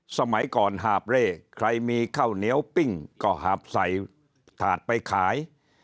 สมัยก่อนหาบเร่ใครมีข้าวเหนียวปิ้งก็หาบใส่ถาดไปขาย